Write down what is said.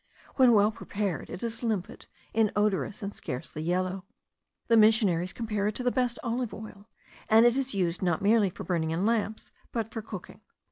When well prepared, it is limpid, inodorous, and scarcely yellow. The missionaries compare it to the best olive oil, and it is used not merely for burning in lamps, but for cooking.